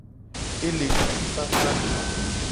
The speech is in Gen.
E le ngtifafa me.